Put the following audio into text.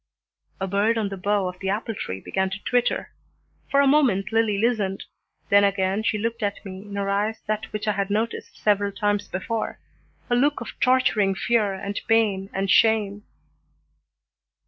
A bird on the bough of the apple tree began to twitter. For a moment Lillie listened, then again she looked at me, in her eyes that which I had noticed several times before, a look of torturing fear and pain and shame.